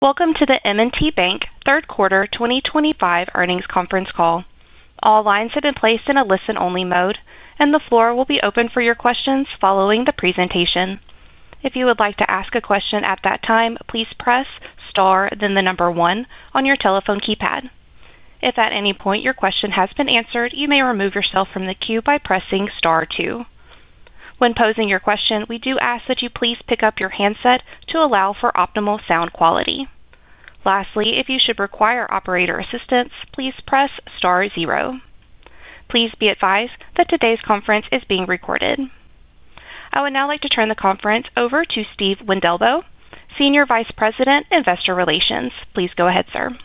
Welcome to the M&T Bank third quarter 2025 Earnings Conference Call. All lines have been placed in a listen-only mode, and the floor will be open for your questions following the presentation. If you would like to ask a question at that time, please press star, then the number one on your telephone keypad. If at any point your question has been answered, you may remove yourself from the queue by pressing star two. When posing your question, we do ask that you please pick up your handset to allow for optimal sound quality. Lastly, if you should require operator assistance, please press star zero. Please be advised that today's conference is being recorded. I would now like to turn the conference over to Steven Wendelboe, Senior Vice President, Investor Relations. Please go ahead, sir.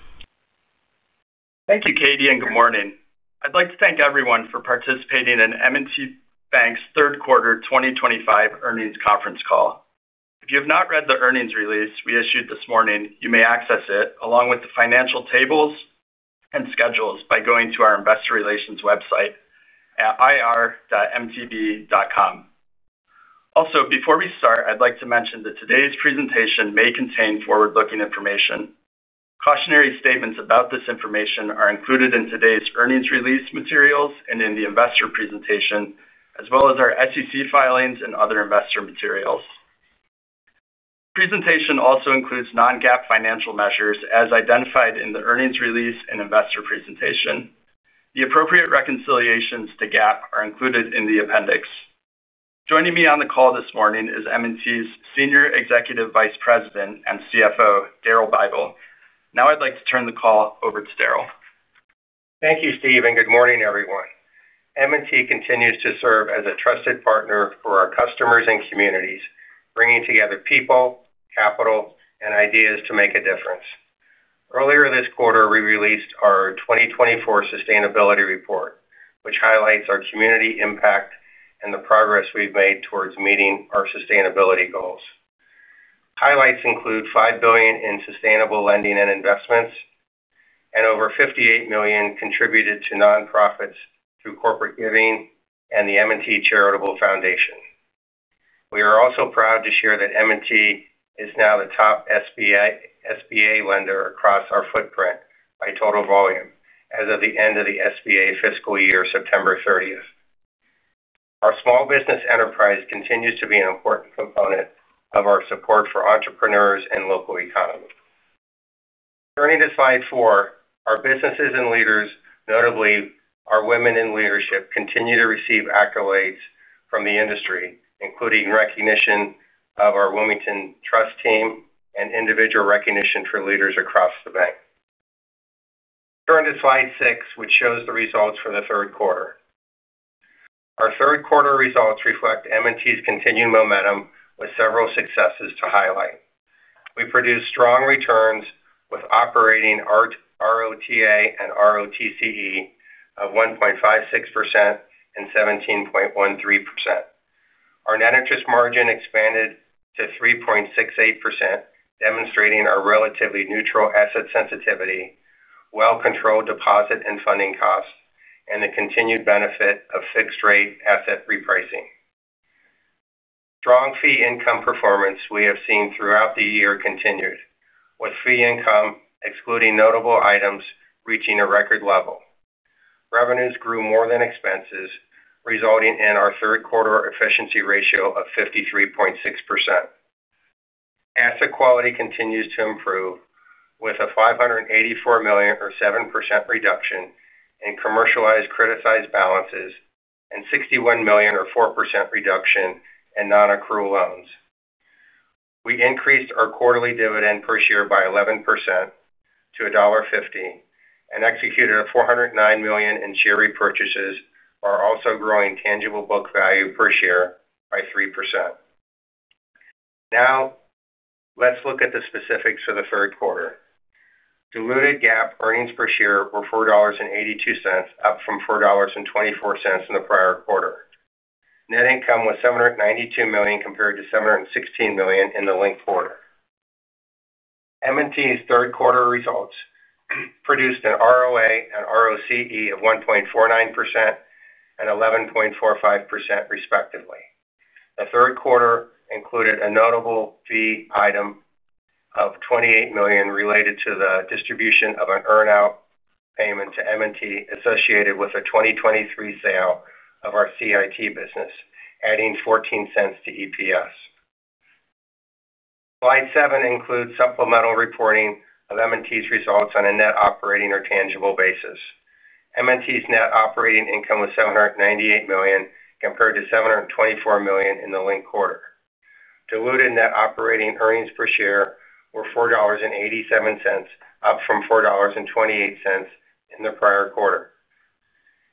Thank you, Katie, and good morning. I'd like to thank everyone for participating M&T's third quarter 2025 earnings conference call. If you have not read the earnings release we issued this morning, you may access it along with the financial tables and schedules by going to our Investor Relations website at ir.mtb.com. Also, before we start, I'd like to mention that today's presentation may contain forward-looking information. Cautionary statements about this information are included in today's earnings release materials and in the investor presentation, as well as our SEC filings and other investor materials. The presentation also includes non-GAAP financial measures as identified in the earnings release and investor presentation. The appropriate reconciliations to GAAP are included in the appendix. Joining me on the call this morning is M&T's Senior Executive Vice President and Chief Financial Officer, Daryl Bible. Now I'd like to turn the call over to Daryl. Thank you, Steve, and good morning, everyone. M&T continues to serve as a trusted partner for our customers and communities, bringing together people, capital, and ideas to make a difference. Earlier this quarter, we released our 2024 Sustainability Report, which highlights our community impact and the progress we've made towards meeting our sustainability goals. Highlights include $5 billion in sustainable lending and investments, and over $58 million contributed to nonprofits through corporate giving and the M&T Charitable Foundation. We are also proud to share that M&T is now the top SBA lender across our footprint by total volume as of the end of the SBA fiscal year, September 30th. Our small business enterprise continues to be an important component of our support for entrepreneurs and local economy. Turning to slide four, our businesses and leaders, notably our women in leadership, continue to receive accolades from the industry, including recognition of our Wilmington Trust team and individual recognition for leaders across the bank. Turn to slide six, which shows the results for the third quarter. Our third quarter results reflect M&T's continued momentum with several successes to highlight. We produce strong returns with operating ROTA and ROTCE of 1.56% and 17.13%. Our net interest margin expanded to 3.68%, demonstrating a relatively neutral asset sensitivity, well-controlled deposit and funding costs, and the continued benefit of fixed-rate asset repricing. Strong fee income performance we have seen throughout the year continued, with fee income excluding notable items reaching a record level. Revenues grew more than expenses, resulting in our third quarter efficiency ratio of 53.6%. Asset quality continues to improve with a $584 million, or 7%, reduction in commercialized credit-sized balances and a $61 million, or 4%, reduction in non-accrual loans. We increased our quarterly dividend per share by 11% to $1.50 and executed a $409 million in share repurchases, also growing tangible book value per share by 3%. Now let's look at the specifics for the third quarter. Diluted GAAP earnings per share were $4.82, up from $4.24 in the prior quarter. Net income was $792 million compared to $716 million in the linked quarter. M&T's third quarter results produced an ROA and ROCE of 1.49% and 11.45%, respectively. The third quarter included a notable fee item of $28 million related to the distribution of an earnout payment to M&T associated with a 2023 sale of our CIT business, adding $0.14 to EPS. Slide seven includes supplemental reporting of M&T's results on a net operating or tangible basis. M&T's net operating income was $798 million compared to $724 million in the linked quarter. Diluted net operating earnings per share were $4.87, up from $4.28 in the prior quarter.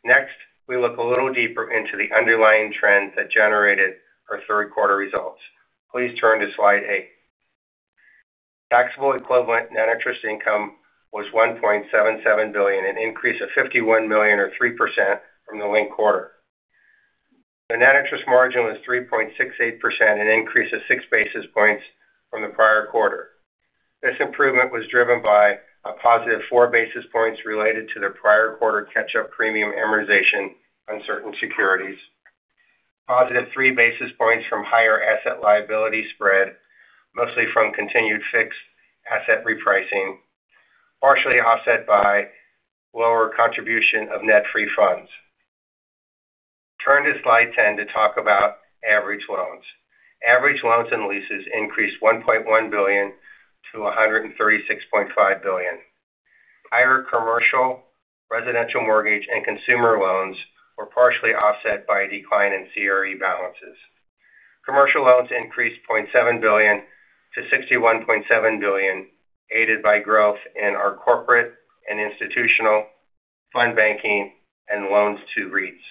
Next, we look a little deeper into the underlying trends that generated our third quarter results. Please turn to slide eight. Taxable equivalent net interest income was $1.77 billion, an increase of $51 million, or 3% from the linked quarter. The net interest margin was 3.68%, an increase of six basis points from the prior quarter. This improvement was driven by a +4 basis points related to the prior quarter catch-up premium amortization on certain securities, +3 basis points from higher asset liability spread, mostly from continued fixed asset repricing, partially offset by lower contribution of net free funds. Turn to slide 10 to talk about average loans. Average loans and leases increased $1.1 billion-$136.5 billion. Higher commercial, residential mortgage, and consumer loans were partially offset by a decline in CRE balances. Commercial loans increased $0.7 billion-$61.7 billion, aided by growth in our corporate and institutional fund banking and loans to REITs.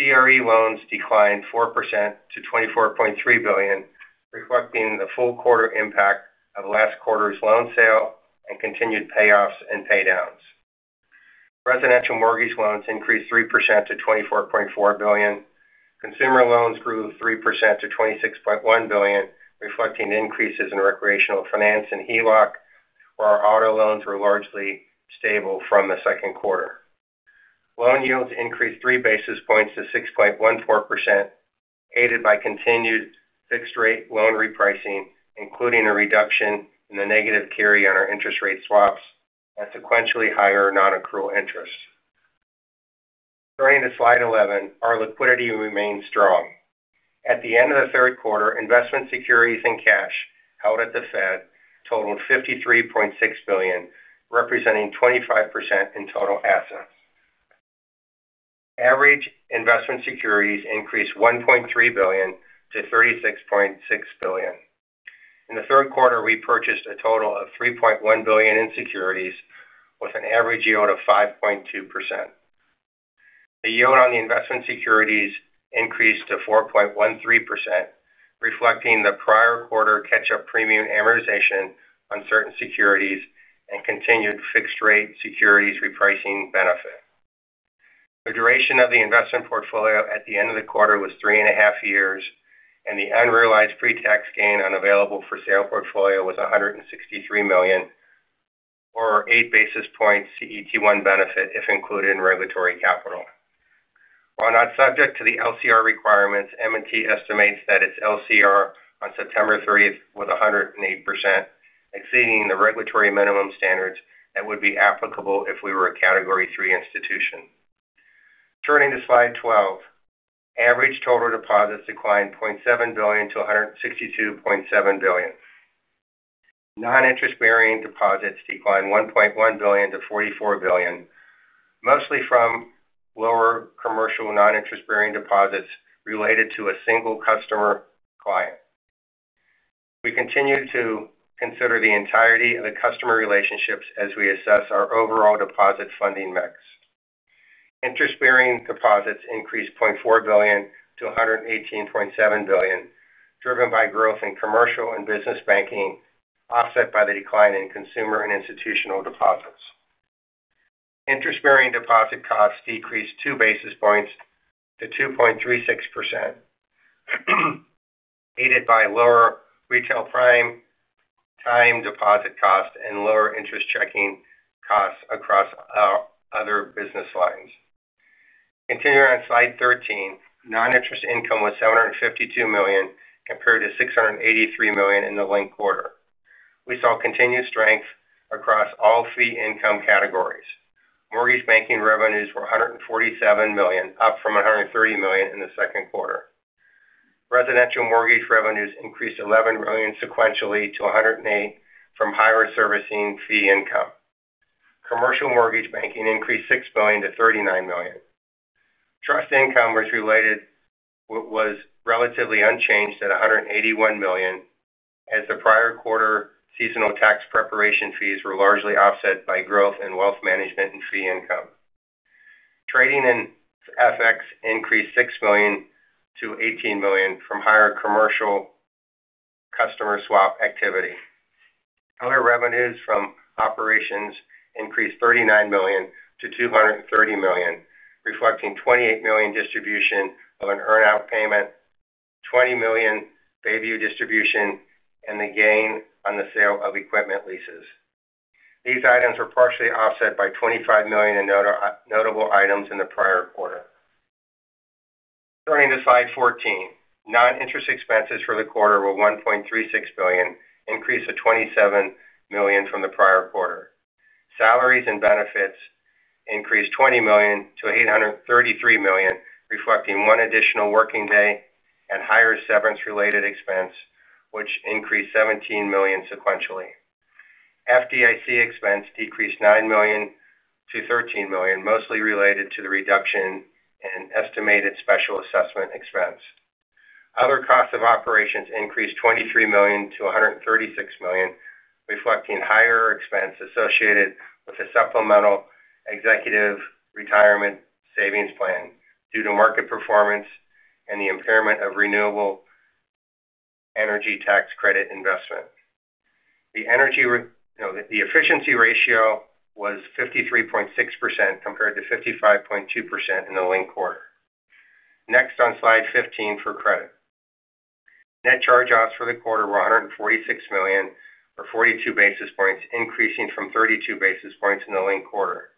CRE loans declined 4% to $24.3 billion, reflecting the full quarter impact of last quarter's loan sale and continued payoffs and paydowns. Residential mortgage loans increased 3% to $24.4 billion. Consumer loans grew 3% to $26.1 billion, reflecting increases in recreational finance and HELOC, while auto loans were largely stable from the second quarter. Loan yields increased 3 basis points to 6.14%, aided by continued fixed-rate loan repricing, including a reduction in the negative carry on our interest rate swaps and sequentially higher non-accrual interest. Turning to slide 11, our liquidity remains strong. At the end of the third quarter, investment securities and cash held at the Federal Reserve totaled $53.6 billion, representing 25% in total assets. Average investment securities increased $1.3 billion-$36.6 billion. In the third quarter, we purchased a total of $3.1 billion in securities with an average yield of 5.2%. The yield on the investment securities increased to 4.13%, reflecting the prior quarter catch-up premium amortization on certain securities and continued fixed-rate securities repricing benefit. The duration of the investment portfolio at the end of the quarter was 3.5 years, and the unrealized pretax gain on available for sale portfolio was $163 million, or 8 basis points. CET1 benefit if included in regulatory capital. While not subject to the LCR requirements, M&T estimates that its LCR on September 30th was 108%, exceeding the regulatory minimum standards that would be applicable if we were a Category III institution. Turning to slide 12, average total deposits declined $0.7 billion-$162.7 billion. Non-interest-bearing deposits declined $1.1 billion-$44 billion, mostly from lower commercial non-interest-bearing deposits related to a single customer client. We continue to consider the entirety of the customer relationships as we assess our overall deposit funding mix. Interest-bearing deposits increased $0.4 billion-$118.7 billion, driven by growth in commercial and business banking, offset by the decline in consumer and institutional deposits. Interest-bearing deposit costs decreased 2 basis points to 2.36%, aided by lower retail prime-time deposit costs and lower interest checking costs across other business lines. Continuing on slide 13, non-interest income was $752 million compared to $683 million in the linked quarter. We saw continued strength across all fee income categories. Mortgage banking revenues were $147 million, up from $130 million in the second quarter. Residential mortgage revenues increased $11 million sequentially to $108 million from higher servicing fee income. Commercial mortgage banking increased $6 million-$39 million. Trust income was relatively unchanged at $181 million as the prior quarter seasonal tax preparation fees were largely offset by growth in wealth management and fee income. Trading and FX increased $6 million-$18 million from higher commercial customer swap activity. Other revenues from operations increased $39 million-$230 million, reflecting $28 million distribution of an earnout payment, $20 million Bayview distribution, and the gain on the sale of equipment leases. These items were partially offset by $25 million in notable items in the prior quarter. Turning to slide 14, non-interest expenses for the quarter were $1.36 billion, increased $27 million from the prior quarter. Salaries and benefits increased $20 million-$833 million, reflecting one additional working day and higher severance-related expense, which increased $17 million sequentially. FDIC expense decreased $9 million-$13 million, mostly related to the reduction in estimated special assessment expense. Other costs of operations increased $23 million-$136 million, reflecting higher expense associated with a supplemental executive retirement savings plan due to market performance and the impairment of renewable energy tax credit investment. The efficiency ratio was 53.6% compared to 55.2% in the linked quarter. Next, on slide 15 for credit, net charge-offs for the quarter were $146 million, or 42 basis points, increasing from 32 basis points in the linked quarter.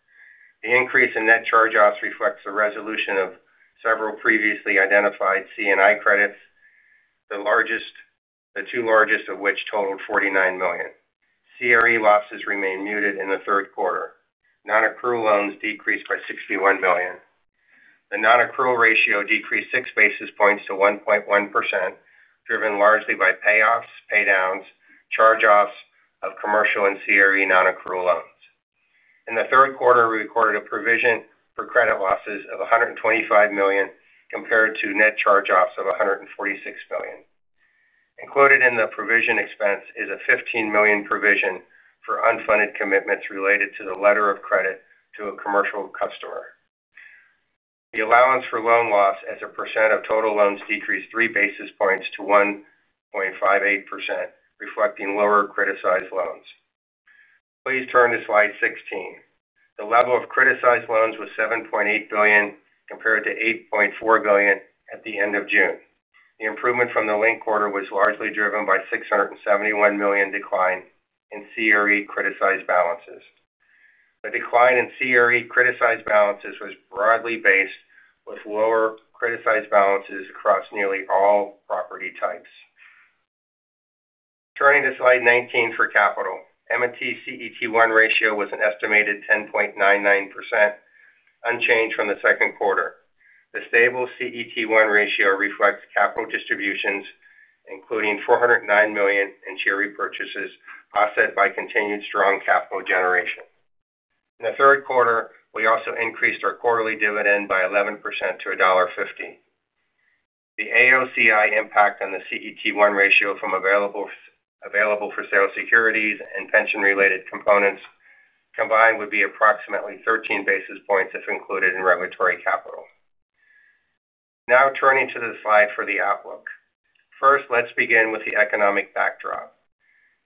The increase in net charge-offs reflects the resolution of several previously identified C&I credits, the two largest of which totaled $49 million. CRE losses remain muted in the third quarter. Non-accrual loans decreased by $61 million. The non-accrual ratio decreased 6 basis points to 1.1%, driven largely by payoffs, paydowns, charge-offs of commercial and CRE non-accrual loans. In the third quarter, we recorded a provision for credit losses of $125 million compared to net charge-offs of $146 million. Included in the provision expense is a $15 million provision for unfunded commitments related to the letter of credit to a commercial customer. The allowance for loan loss as a percent of total loans decreased three basis points to 1.58%, reflecting lower criticized loans. Please turn to slide 16. The level of criticized loans was $7.8 billion compared to $8.4 billion at the end of June. The improvement from the linked quarter was largely driven by a [$71 million] decline in CRE criticized balances. The decline in CRE criticized balances was broadly based, with lower criticized balances across nearly all property types. Turning to slide 19 for capital, M&T CET1 ratio was an estimated 10.99%, unchanged from the second quarter. The stable CET1 ratio reflects capital distributions, including $409 million in share repurchases, offset by continued strong capital generation. In the third quarter, we also increased our quarterly dividend by 11% to $1.50. The AOCI impact on the CET1 ratio from available for sale securities and pension-related components combined would be approximately 13 basis points if included in regulatory capital. Now turning to the slide for the outlook. First, let's begin with the economic backdrop.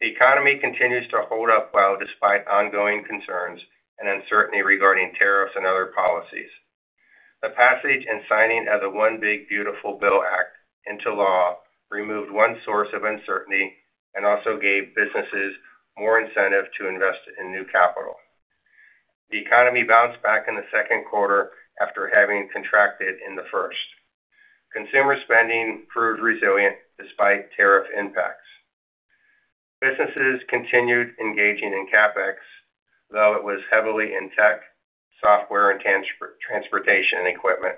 The economy continues to hold up well despite ongoing concerns and uncertainty regarding tariffs and other policies. The passage and signing of the One Big Beautiful Bill Act into law removed one source of uncertainty and also gave businesses more incentive to invest in new capital. The economy bounced back in the second quarter after having contracted in the first. Consumer spending proved resilient despite tariff impacts. Businesses continued engaging in CapEx, though it was heavily in tech, software, and transportation equipment,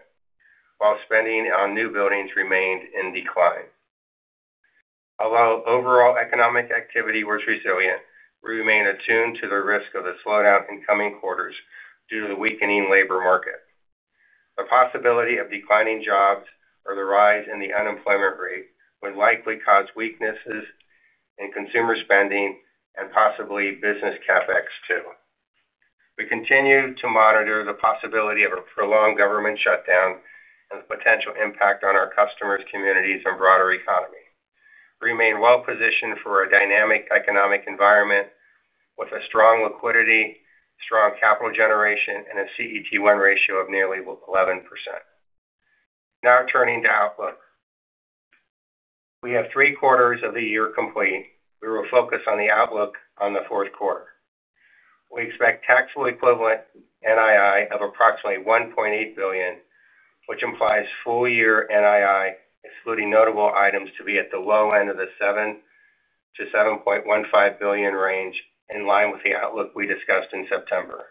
while spending on new buildings remained in decline. Although overall economic activity was resilient, we remain attuned to the risk of a slowdown in coming quarters due to the weakening labor market. The possibility of declining jobs or the rise in the unemployment rate would likely cause weaknesses in consumer spending and possibly business CapEx too. We continue to monitor the possibility of a prolonged government shutdown and the potential impact on our customers, communities, and broader economy. We remain well-positioned for a dynamic economic environment with strong liquidity, strong capital generation, and a CET1 ratio of nearly 11%. Now turning to outlook, we have three quarters of the year complete. We will focus on the outlook on the fourth quarter. We expect taxable equivalent NII of approximately $1.8 billion, which implies full-year NII, excluding notable items, to be at the low end of the $7 billion-$7.15 billion range, in line with the outlook we discussed in September.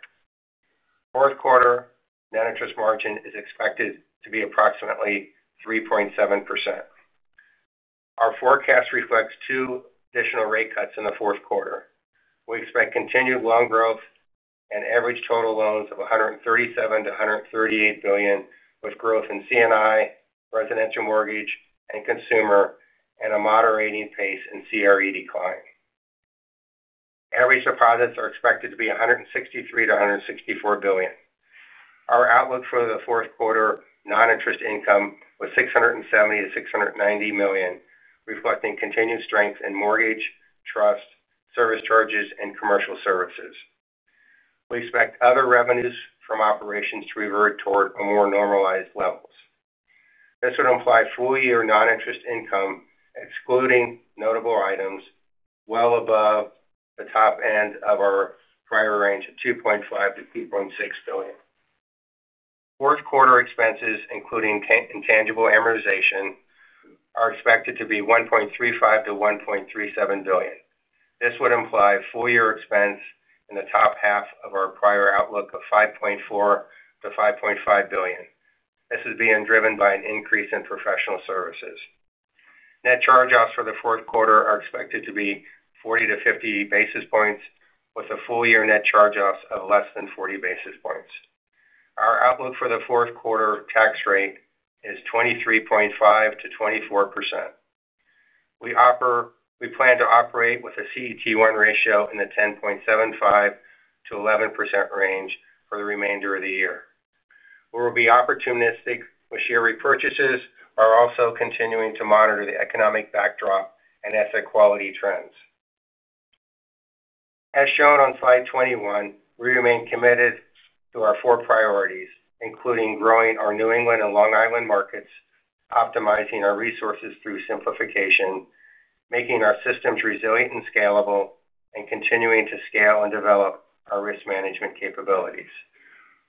Fourth quarter net interest margin is expected to be approximately 3.7%. Our forecast reflects two additional rate cuts in the fourth quarter. We expect continued loan growth and average total loans of $137 billion-$138 billion, with growth in C&I, residential mortgage, and consumer, and a moderating pace in CRE decline. Average deposits are expected to be $163 billion-$164 billion. Our outlook for the fourth quarter non-interest income was $670 million-$690 million, reflecting continued strength in mortgage, trust, service charges, and commercial services. We expect other revenues from operations to revert toward a more normalized level. This would imply full-year non-interest income, excluding notable items, well above the top end of our prior range of $2.5 billion-$3.6 billion. Fourth quarter expenses, including intangible amortization, are expected to be $1.35 billion-$1.37 billion. This would imply full-year expense in the top half of our prior outlook of $5.4 billion-$5.5 billion. This is being driven by an increase in professional services. Net charge-offs for the fourth quarter are expected to be 40-50 basis points, with a full-year net charge-offs of less than 40 basis points. Our outlook for the fourth quarter tax rate is 23.5%-24%. We plan to operate with a CET1 ratio in the 10.75%-11% range for the remainder of the year. We will be opportunistic with share repurchases and are also continuing to monitor the economic backdrop and asset quality trends. As shown on slide 21, we remain committed to our four priorities, including growing our New England and Long Island markets, optimizing our resources through simplification, making our systems resilient and scalable, and continuing to scale and develop our risk management capabilities.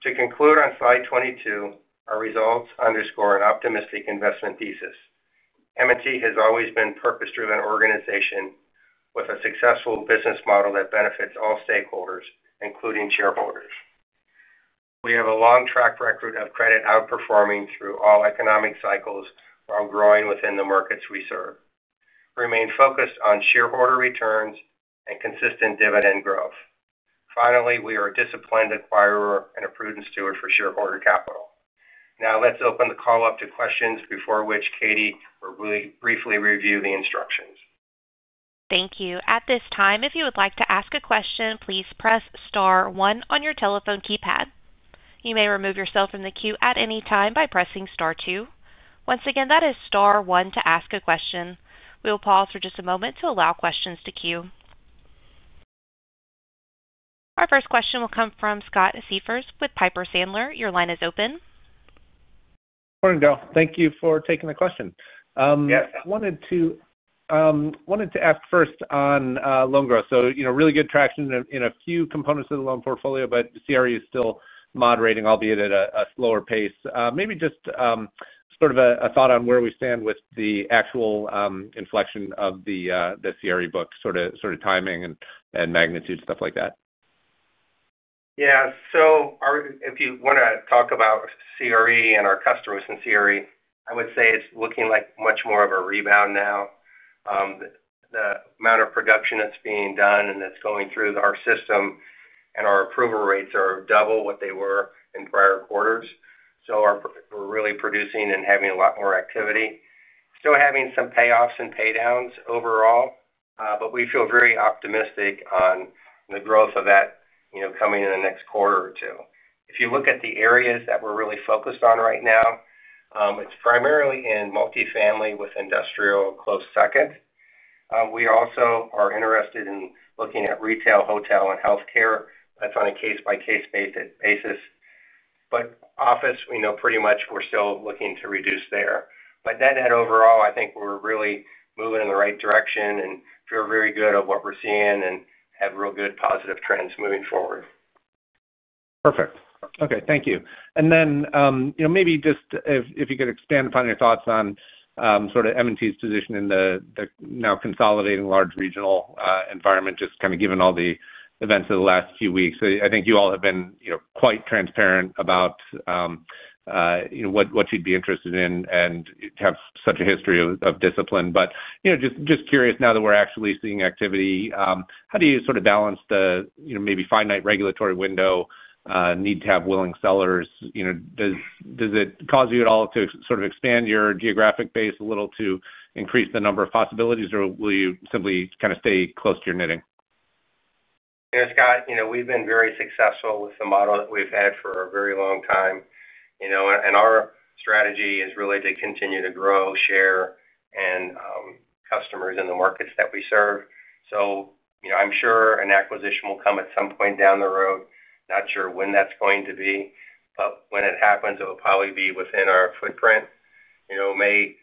To conclude, on slide 22, our results underscore an optimistic investment thesis. M&T has always been a purpose-driven organization with a successful business model that benefits all stakeholders, including shareholders. We have a long track record of credit outperforming through all economic cycles, while growing within the markets we serve. We remain focused on shareholder returns and consistent dividend growth. Finally, we are a disciplined acquirer and a prudent steward for shareholder capital. Now let's open the call up to questions, before which Katie will briefly review the instructions. Thank you. At this time, if you would like to ask a question, please press star one on your telephone keypad. You may remove yourself from the queue at any time by pressing star two. Once again, that is star one to ask a question. We will pause for just a moment to allow questions to queue. Our first question will come from Scott Seifers with Piper Sandler. Your line is open. Morning, Daryl. Thank you for taking the question. I wanted to ask first on loan growth. You know, really good traction in a few components of the loan portfolio, but CRE is still moderating, albeit at a slower pace. Maybe just sort of a thought on where we stand with the actual inflection of the CRE book, sort of timing and magnitude, stuff like that. Yeah. If you want to talk about CRE and our customers in CRE, I would say it's looking like much more of a rebound now. The amount of production that's being done and that's going through our system and our approval rates are double what they were in prior quarters. We're really producing and having a lot more activity. Still having some payoffs and paydowns overall, but we feel very optimistic on the growth of that, you know, coming in the next quarter or two. If you look at the areas that we're really focused on right now, it's primarily in multifamily with industrial a close second. We also are interested in looking at retail, hotel, and healthcare. That's on a case-by-case basis. Office, we know pretty much we're still looking to reduce there. Overall, I think we're really moving in the right direction and feel very good about what we're seeing and have real good positive trends moving forward. Perfect. Okay. Thank you. Maybe just if you could expand upon your thoughts on sort of M&T's position in the now consolidating large regional environment, just given all the events of the last few weeks. I think you all have been quite transparent about what you'd be interested in and have such a history of discipline. Just curious now that we're actually seeing activity, how do you sort of balance the maybe finite regulatory window, need to have willing sellers? Does it cause you at all to sort of expand your geographic base a little to increase the number of possibilities, or will you simply kind of stay close to your knitting? Yeah, Scott, we've been very successful with the model that we've had for a very long time. Our strategy is really to continue to grow share and customers in the markets that we serve. I'm sure an acquisition will come at some point down the road. Not sure when that's going to be, but when it happens, it will probably be within our footprint. It may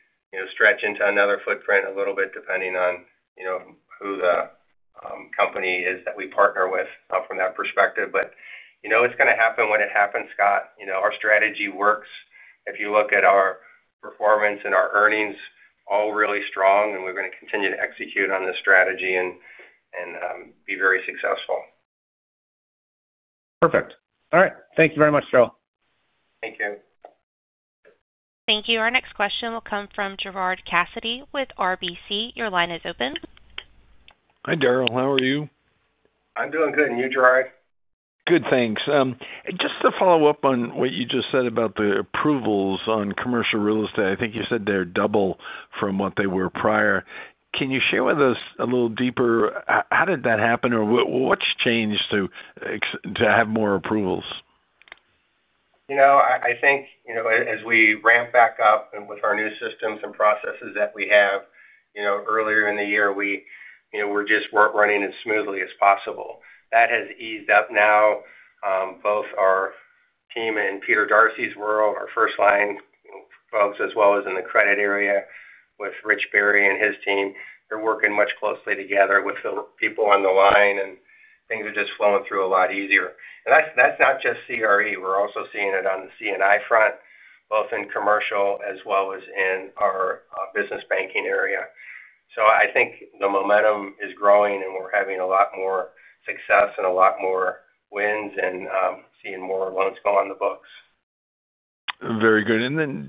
stretch into another footprint a little bit depending on who the company is that we partner with from that perspective. It's going to happen when it happens, Scott. Our strategy works. If you look at our performance and our earnings, all really strong, and we're going to continue to execute on this strategy and be very successful. Perfect. All right. Thank you very much, Daryl. Thank you. Thank you. Our next question will come from Gerard Cassidy with RBC. Your line is open. Hi, Daryl. How are you? I'm doing good. And you, Gerard? Good, thanks. Just to follow up on what you just said about the approvals on commercial real estate, I think you said they're double from what they were prior. Can you share with us a little deeper how did that happen or what's changed to have more approvals? I think as we ramp back up with our new systems and processes that we have, earlier in the year, we were just running as smoothly as possible. That has eased up now. Both our team in Peter Darcy's world, our first line folks, as well as in the credit area with Rich Berry and his team, they're working much more closely together with the people on the line, and things are just flowing through a lot easier. That's not just CRE. We're also seeing it on the C&I front, both in commercial as well as in our business banking area. I think the momentum is growing, and we're having a lot more success and a lot more wins and seeing more loans go on the books. Very good.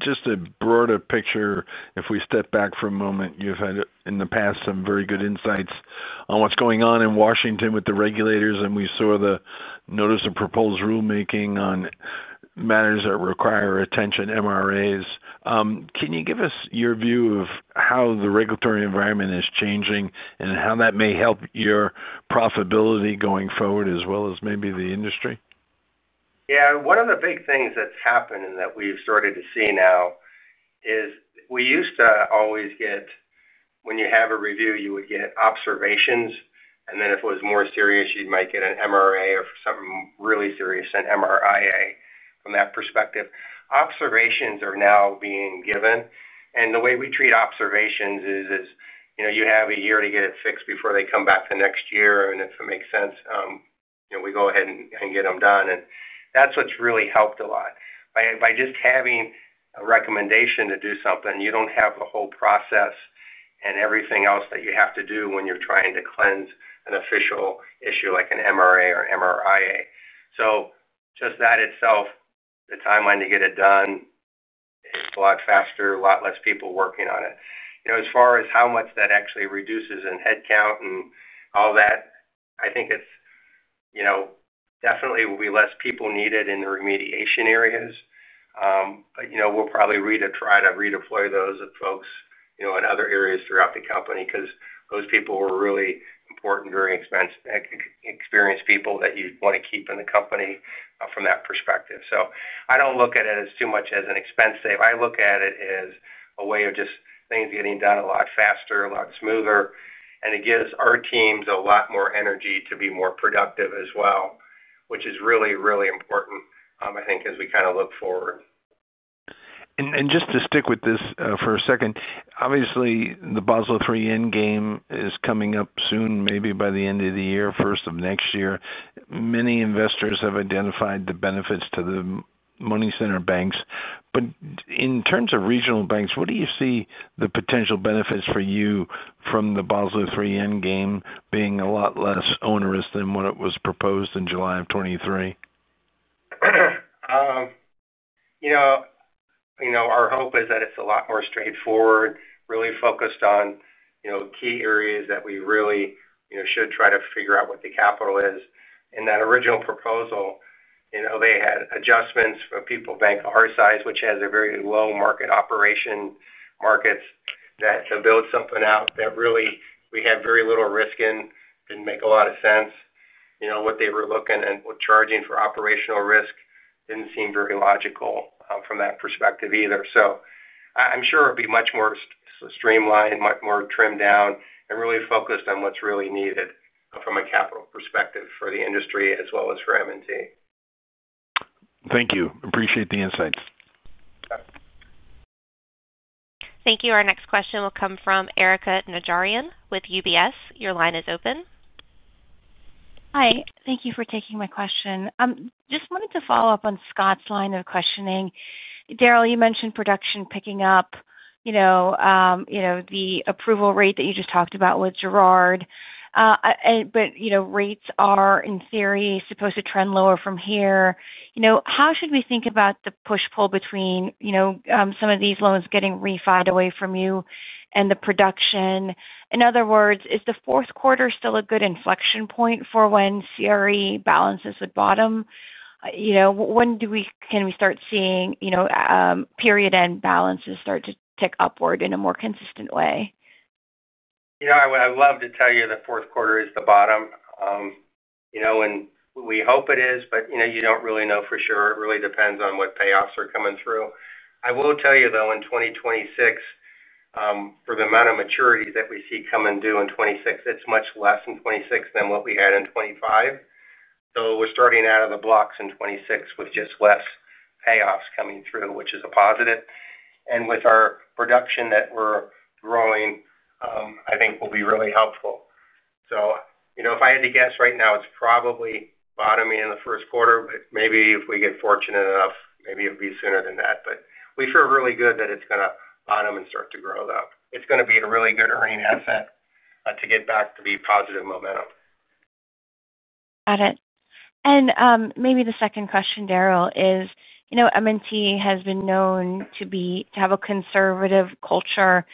Just a broader picture, if we step back for a moment, you've had in the past some very good insights on what's going on in Washington with the regulators, and we saw the notice of proposed rulemaking on Matters Requiring Attention, MRAs. Can you give us your view of how the regulatory environment is changing and how that may help your profitability going forward as well as maybe the industry? Yeah. One of the big things that's happened and that we've started to see now is we used to always get, when you have a review, you would get observations, and then if it was more serious, you might get an MRA or something really serious, an MRIA from that perspective. Observations are now being given. The way we treat observations is, you know, you have a year to get it fixed before they come back the next year, and if it makes sense, you know, we go ahead and get them done. That's what's really helped a lot. By just having a recommendation to do something, you don't have the whole process and everything else that you have to do when you're trying to cleanse an official issue like an MRA or MRIA. Just that itself, the timeline to get it done is a lot faster, a lot less people working on it. As far as how much that actually reduces in headcount and all that, I think it's, you know, definitely will be less people needed in the remediation areas. We'll probably try to redeploy those folks in other areas throughout the company because those people were really important, very experienced people that you'd want to keep in the company from that perspective. I don't look at it as too much as an expense save. I look at it as a way of just things getting done a lot faster, a lot smoother. It gives our teams a lot more energy to be more productive as well, which is really, really important, I think, as we kind of look forward. Just to stick with this for a second, obviously, the Basel III endgame is coming up soon, maybe by the end of the year, first of next year. Many investors have identified the benefits to the money center banks. In terms of regional banks, what do you see the potential benefits for you from the Basel III endgame being a lot less onerous than what it was proposed in July of 2023? Our hope is that it's a lot more straightforward, really focused on key areas that we really should try to figure out what the capital is. In that original proposal, they had adjustments for people, bank of our size, which has a very low market operation, markets that to build something out that really we have very little risk in didn't make a lot of sense. What they were looking and what charging for operational risk didn't seem very logical from that perspective either. I'm sure it'll be much more streamlined, much more trimmed down, and really focused on what's really needed from a capital perspective for the industry as well as for M&T. Thank you. Appreciate the insights. Okay. Thank you. Our next question will come from Erika Najarian with UBS. Your line is open. Hi. Thank you for taking my question. I just wanted to follow up on Scott's line of questioning. Daryl, you mentioned production picking up, the approval rate that you just talked about with Gerard. Rates are in theory supposed to trend lower from here. How should we think about the push-pull between some of these loans getting refined away from you and the production? In other words, is the fourth quarter still a good inflection point for when CRE balances would bottom? When can we start seeing period end balances start to tick upward in a more consistent way? I would love to tell you the fourth quarter is the bottom. We hope it is, but you don't really know for sure. It really depends on what payoffs are coming through. I will tell you, in 2026, for the amount of maturities that we see come due in 2026, it's much less in 2026 than what we had in 2025. We're starting out of the blocks in 2026 with just less payoffs coming through, which is a positive. With our production that we're growing, I think it will be really helpful. If I had to guess right now, it's probably bottoming in the first quarter, but if we get fortunate enough, maybe it'll be sooner than that. We feel really good that it's going to bottom and start to grow. It's going to be a really good earning asset to get back to the positive momentum. Got it. Maybe the second question, Daryl, is, you know, M&T has been known to have a conservative culture,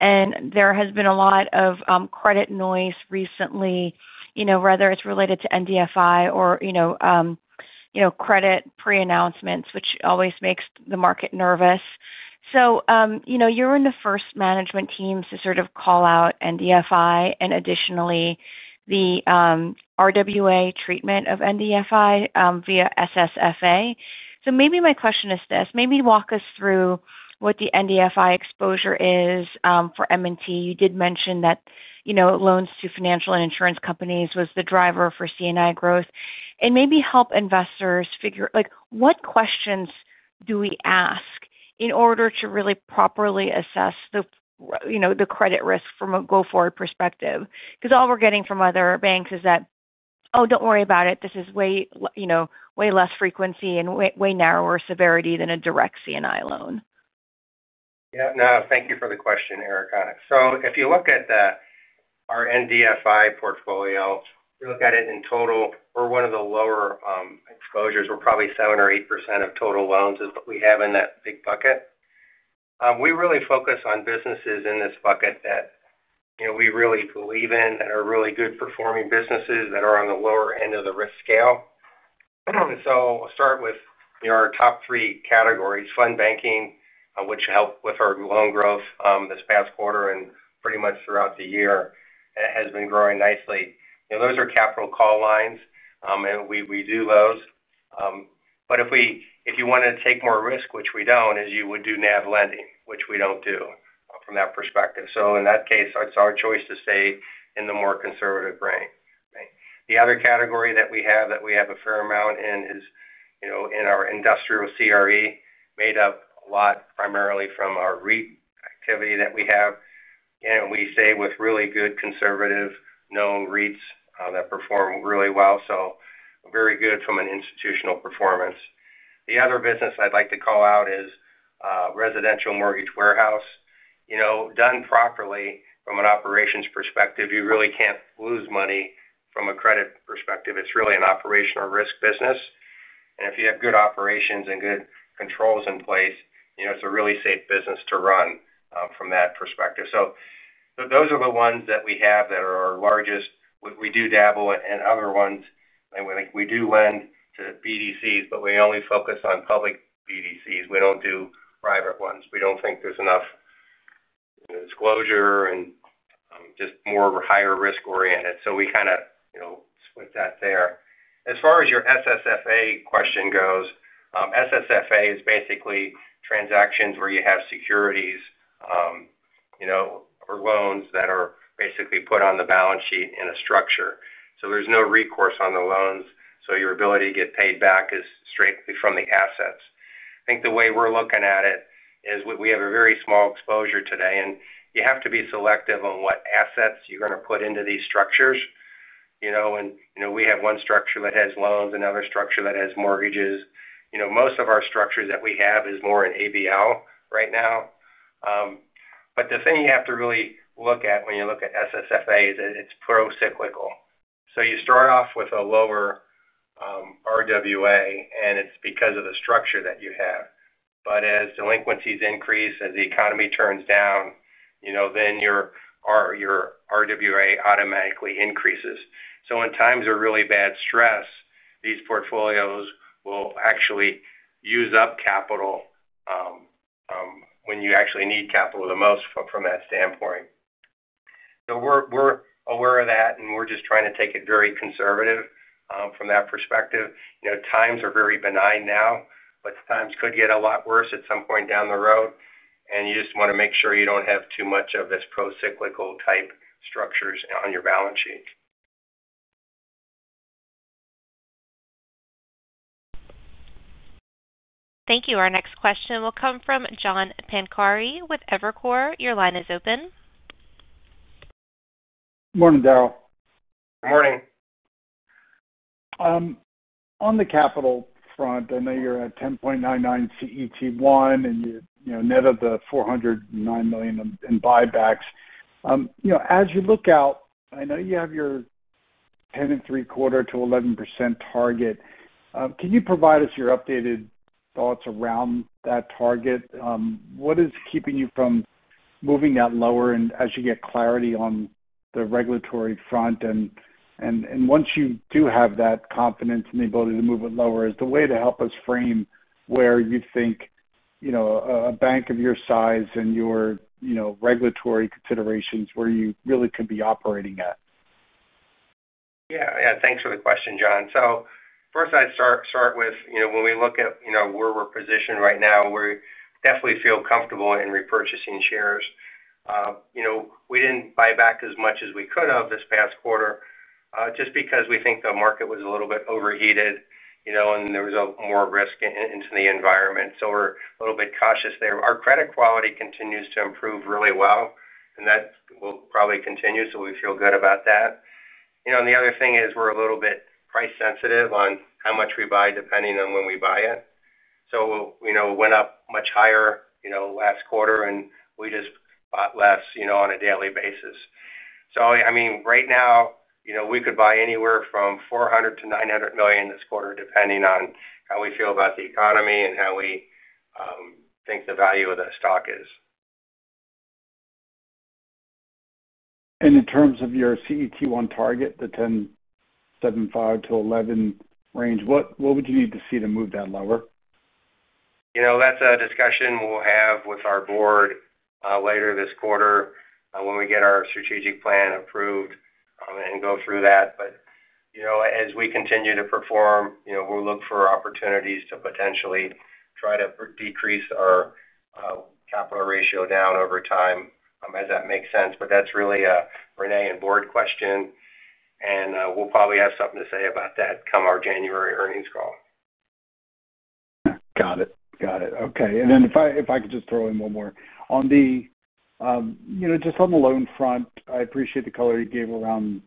and there has been a lot of credit noise recently, whether it's related to NDFI or credit pre-announcements, which always makes the market nervous. You're in the first management teams to sort of call out NDFI and additionally the RWA treatment of NDFI via SSFA. Maybe my question is this: maybe walk us through what the NDFI exposure is for M&T. You did mention that loans to financial and insurance companies was the driver for C&I growth. Maybe help investors figure, like, what questions do we ask in order to really properly assess the credit risk from a go-forward perspective? Because all we're getting from other banks is that, "Oh, don't worry about it. This is way, you know, way less frequency and way narrower severity than a direct C&I loan. Yeah. No, thank you for the question, Erika. If you look at our NDFI portfolio, you look at it in total, we're one of the lower exposures. We're probably 7 or 8% of total loans is what we have in that big bucket. We really focus on businesses in this bucket that we really believe in that are really good performing businesses that are on the lower end of the risk scale. We'll start with our top three categories: fund banking, which helped with our loan growth this past quarter and pretty much throughout the year, and it has been growing nicely. Those are capital call lines, and we do those. If you wanted to take more risk, which we don't, you would do NAV lending, which we don't do from that perspective. In that case, it's our choice to stay in the more conservative grain. The other category that we have that we have a fair amount in is in our industrial CRE, made up a lot primarily from our REIT activity that we have. We stay with really good conservative known REITs that perform really well. Very good from an institutional performance. The other business I'd like to call out is residential mortgage warehouse. Done properly from an operations perspective, you really can't lose money. From a credit perspective, it's really an operational risk business. If you have good operations and good controls in place, it's a really safe business to run from that perspective. Those are the ones that we have that are our largest. We do dabble in other ones. We do lend to BDCs, but we only focus on public BDCs. We don't do private ones. We don't think there's enough disclosure and just more higher risk-oriented. We kind of split that there. As far as your SSFA question goes, SSFA is basically transactions where you have securities or loans that are basically put on the balance sheet in a structure. There's no recourse on the loans. Your ability to get paid back is strictly from the assets. I think the way we're looking at it is we have a very small exposure today, and you have to be selective on what assets you're going to put into these structures. We have one structure that has loans, another structure that has mortgages. Most of our structures that we have is more in ABL right now. The thing you have to really look at when you look at SSFA is that it's pro-cyclical. You start off with a lower RWA, and it's because of the structure that you have. As delinquencies increase, as the economy turns down, your RWA automatically increases. In times of really bad stress, these portfolios will actually use up capital when you need capital the most from that standpoint. We're aware of that, and we're just trying to take it very conservative from that perspective. Times are very benign now, but times could get a lot worse at some point down the road, and you just want to make sure you don't have too much of this pro-cyclical type structures on your balance sheet. Thank you. Our next question will come from John Pancari with Evercore. Your line is open. Morning, Daryl. Good morning. On the capital front, I know you're at 10.99% CET1 and net of the $409 million in buybacks. As you look out, I know you have your 10.75%-11% target. Can you provide us your updated thoughts around that target? What is keeping you from moving that lower? As you get clarity on the regulatory front, and once you do have that confidence and the ability to move it lower, is there a way to help us frame where you think a bank of your size and your regulatory considerations, where you really could be operating at? Yeah. Thanks for the question, John. First, I'd start with, you know, when we look at, you know, where we're positioned right now, we definitely feel comfortable in repurchasing shares. We didn't buy back as much as we could have this past quarter just because we think the market was a little bit overheated, and there was more risk in the environment. We were a little bit cautious there. Our credit quality continues to improve really well, and that will probably continue, so we feel good about that. The other thing is we're a little bit price-sensitive on how much we buy depending on when we buy it. It went up much higher last quarter, and we just bought less on a daily basis. Right now, we could buy anywhere from $400 million-$900 million this quarter, depending on how we feel about the economy and how we think the value of the stock is. your CET1 target, the 10.75%-11% range, what would you need to see to move that lower? That's a discussion we'll have with our board later this quarter when we get our strategic plan approved and go through that. As we continue to perform, we'll look for opportunities to potentially try to decrease our capital ratio down over time as that makes sense. That's really a René Jones and board question, and we'll probably have something to say about that come our January earnings call. Got it. Okay. If I could just throw in one more on the loan front, I appreciate the color you gave around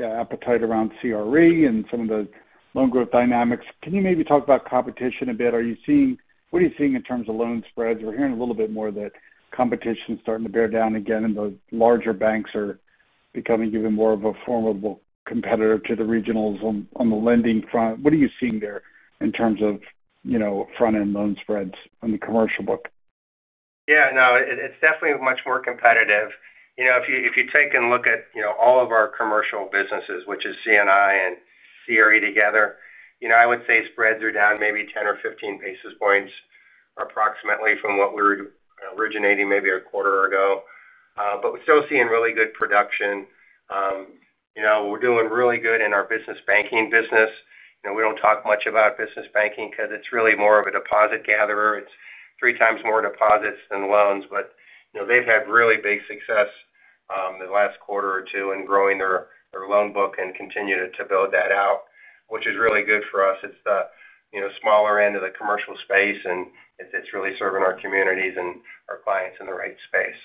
appetite around CRE and some of the loan growth dynamics. Can you maybe talk about competition a bit? Are you seeing, what are you seeing in terms of loan spreads? We're hearing a little bit more that competition is starting to bear down again, and the larger banks are becoming even more of a formidable competitor to the regionals on the lending front. What are you seeing there in terms of front-end loan spreads on the commercial book? Yeah. No, it's definitely much more competitive. If you take a look at all of our commercial businesses, which is C&I and CRE together, I would say spreads are down maybe 10 or 15 basis points or approximately from what we were originating maybe a quarter ago. We're still seeing really good production. We're doing really good in our business banking business. We don't talk much about business banking because it's really more of a deposit gatherer. It's three times more deposits than loans. They've had really big success in the last quarter or two in growing their loan book and continue to build that out, which is really good for us. It's the smaller end of the commercial space, and it's really serving our communities and our clients in the right space.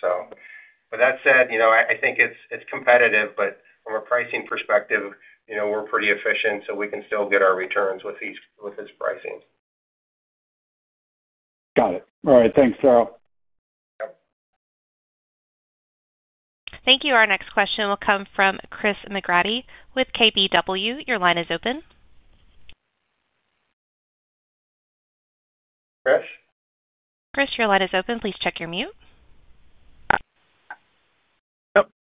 With that said, I think it's competitive, but from a pricing perspective, we're pretty efficient, so we can still get our returns with this pricing. Got it. All right. Thanks, Daryl. Yep. Thank you. Our next question will come from Chris McGratty with KBW. Your line is open. Chris? Chris, your line is open. Please check your mute.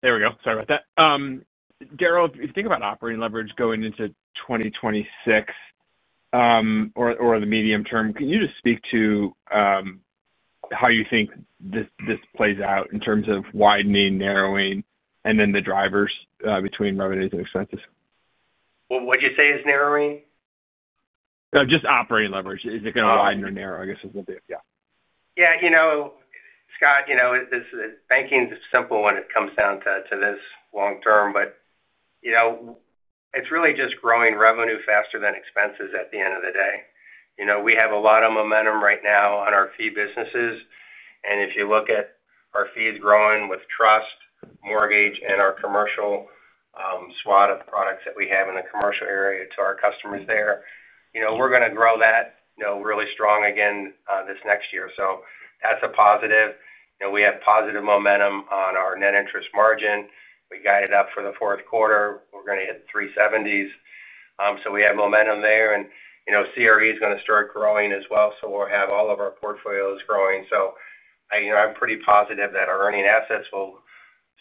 There we go. Sorry about that. Daryl, if you think about operating leverage going into 2026, or the medium term, can you just speak to how you think this plays out in terms of widening, narrowing, and then the drivers between revenues and expenses? What did you say is narrowing? Just operating leverage. Is it going to widen or narrow? I guess that's what the, yeah. Yeah. You know, [Scott] banking is simple when it comes down to this long term. It's really just growing revenue faster than expenses at the end of the day. We have a lot of momentum right now on our fee businesses. If you look at our fees growing with trust, mortgage, and our commercial suite of products that we have in the commercial area to our customers there, we're going to grow that really strong again this next year. That's a positive. We have positive momentum on our net interest margin. We got it up for the fourth quarter. We're going to hit 370s, so we have momentum there. CRE is going to start growing as well. We'll have all of our portfolios growing. I'm pretty positive that our earning assets will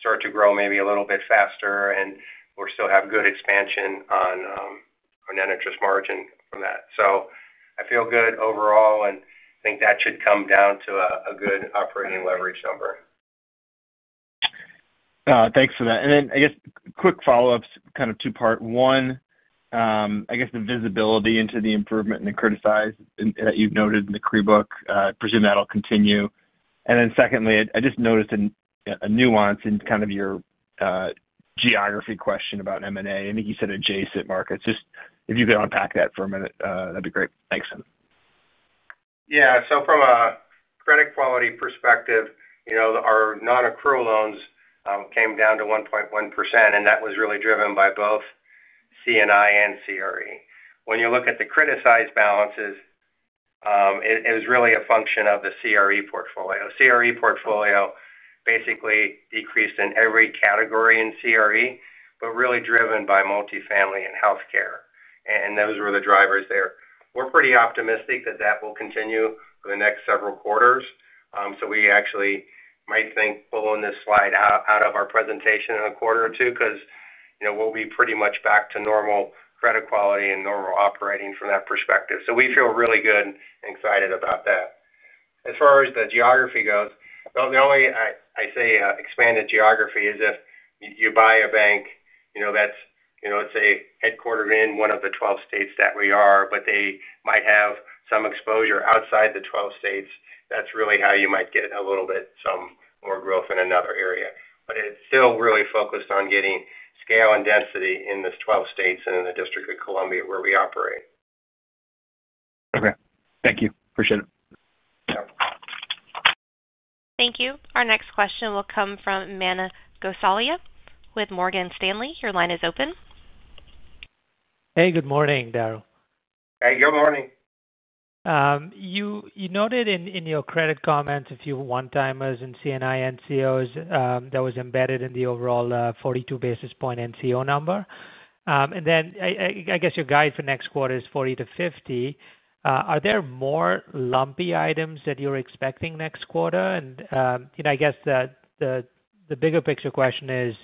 start to grow maybe a little bit faster, and we'll still have good expansion on our net interest margin from that. I feel good overall and think that should come down to a good operating leverage number. Thanks for that. I guess quick follow-ups, kind of two-part. One, I guess the visibility into the improvement in the CRE size that you've noted in the CRE book, I presume that'll continue. Secondly, I just noticed a nuance in kind of your geography question about M&A. I think you said adjacent markets. If you could unpack that for a minute, that'd be great. Thanks. Yeah. From a credit quality perspective, our non-accrual loans came down to 1.1%, and that was really driven by both C&I and CRE. When you look at the CRE size balances, it was really a function of the CRE portfolio. The CRE portfolio basically decreased in every category in CRE, really driven by multifamily and healthcare. Those were the drivers there. We're pretty optimistic that will continue for the next several quarters. We actually might think about pulling this slide out of our presentation in a quarter or two because we'll be pretty much back to normal credit quality and normal operating from that perspective. We feel really good and excited about that. As far as the geography goes, the only expanded geography is if you buy a bank that's headquartered in one of the 12 states that we are, but they might have some exposure outside the 12 states. That's really how you might get a little bit more growth in another area. It's still really focused on getting scale and density in these 12 states and in the District of Columbia where we operate. Okay, thank you. Appreciate it. Thank you. Our next question will come from Manan Gosalia with Morgan Stanley. Your line is open. Hey, good morning, Daryl. Hey, good morning. You noted in your credit comments a few one-timers in CNI NCOs that was embedded in the overall 42 basis points NCO number. Your guide for next quarter is 40-50. Are there more lumpy items that you're expecting next quarter? The bigger picture question is,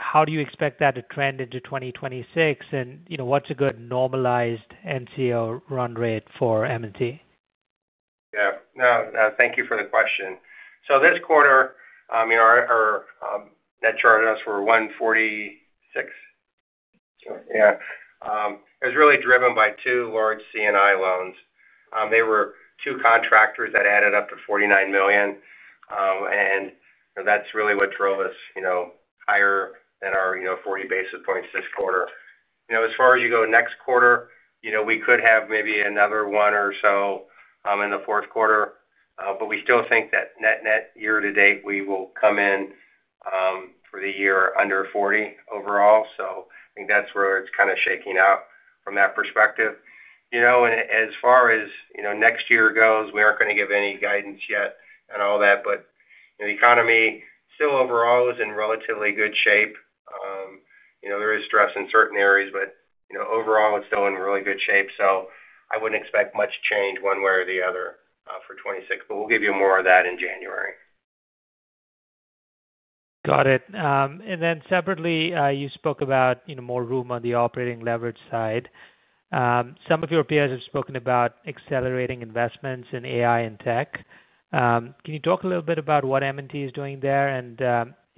how do you expect that to trend into 2026? What's a good normalized NCO run rate for M&T? Thank you for the question. This quarter, our net charge-offs were $146 million. It was really driven by two large C&I loans. They were two contractors that added up to $49 million, and that's really what drove us higher than our 40 basis points this quarter. As far as next quarter, we could have maybe another one or so in the fourth quarter, but we still think that net-net year-to-date, we will come in for the year under 40 basis points overall. I think that's where it's kind of shaking out from that perspective. As far as next year goes, we aren't going to give any guidance yet and all that, but the economy still overall is in relatively good shape. There is stress in certain areas, but overall it's still in really good shape. I wouldn't expect much change one way or the other for 2026, but we'll give you more of that in January. Got it. Separately, you spoke about more room on the operating leverage side. Some of your peers have spoken about accelerating investments in AI and tech. Can you talk a little bit about what M&T is doing there and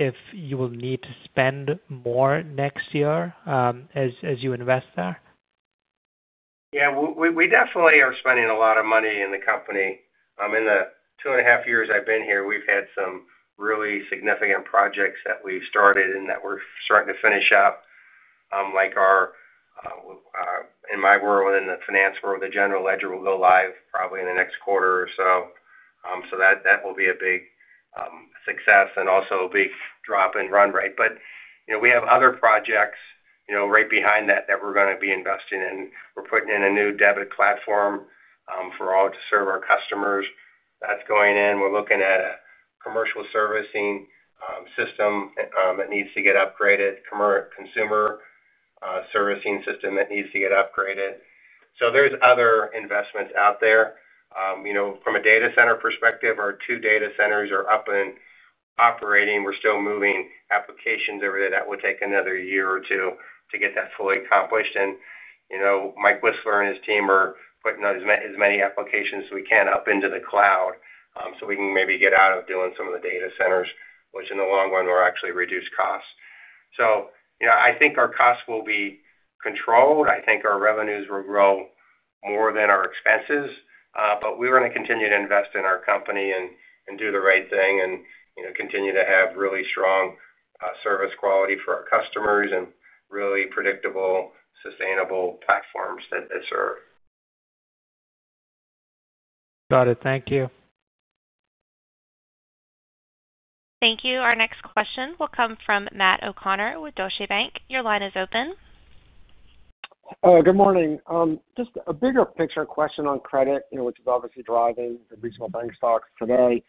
if you will need to spend more next year as you invest there? Yeah. We definitely are spending a lot of money in the company. In the 2.5 years I've been here, we've had some really significant projects that we've started and that we're starting to finish up. Like our, in my world and the finance world, the general ledger platform will go live probably in the next quarter or so. That will be a big success and also a big drop in run rate. We have other projects right behind that that we're going to be investing in. We're putting in a new debit platform for all to serve our customers that's going in. We're looking at a commercial servicing system that needs to get upgraded, consumer servicing system that needs to get upgraded. There are other investments out there. From a data center perspective, our two data centers are up and operating. We're still moving applications over there; that will take another year or two to get that fully accomplished. Mike Whistler and his team are putting out as many applications as we can up into the cloud so we can maybe get out of doing some of the data centers, which in the long run will actually reduce costs. I think our costs will be controlled. I think our revenues will grow more than our expenses. We want to continue to invest in our company and do the right thing and continue to have really strong service quality for our customers and really predictable, sustainable platforms that they serve. Got it. Thank you. Thank you. Our next question will come from Matt O'Connor with Deutsche Bank. Your line is open. Good morning. Just a bigger picture question on credit, which is obviously driving the regional bank stocks today.